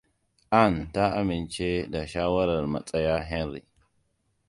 Anne ta amince da shawarar Matsaya Henry.